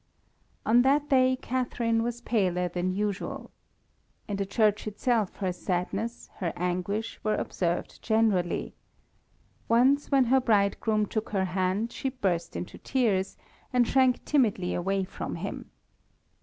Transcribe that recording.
On that day Catharine was paler than usual. In the church itself her sadness, her anguish, were observed generally. Once, when her bridegroom took her hand, she burst into tears, and shrank timidly away from him.